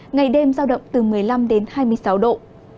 ngày đêm giao động từ một mươi năm đến hai mươi sáu độ